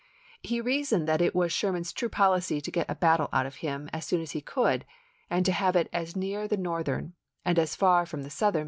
He rea soned that it was Sherman's true policy to get a "JNa?rathr'e battle out of him as soon as he could, and to have it of open?7 as near the Northern, and as far from the Southern, p°3i7.